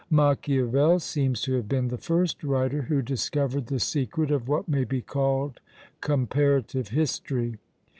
Machiavel seems to have been the first writer who discovered the secret of what may be called comparative history.